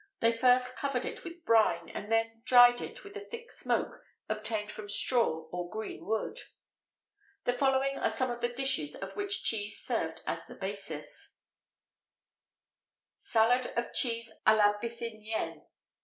They first covered it with brine, and then dried it in a thick smoke obtained from straw or green wood.[XVIII 60] The following are some of the dishes of which cheese served as the basis: _Salad of Cheese à la Bithynienne.